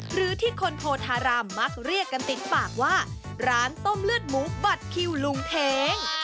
หรือที่คนโพธารามมักเรียกกันติดปากว่าร้านต้มเลือดหมูบัตรคิวลุงเท้ง